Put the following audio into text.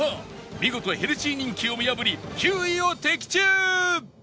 見事ヘルシー人気を見破り９位を的中